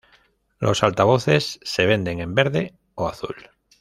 Los altavoces se venden en verde o azul.